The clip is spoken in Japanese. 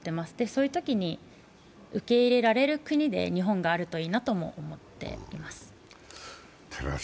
そういうときに受け入れられる国で日本があるといいなと思っています。